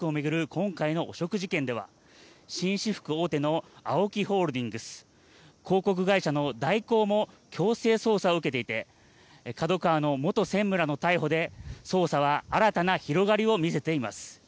今回の汚職事件では紳士服大手のＡＯＫＩホールディングス、広告会社の大広も強制捜査を受けていて、ＫＡＤＯＫＡＷＡの元専務らの逮捕で捜査は新たな広がりを見せています。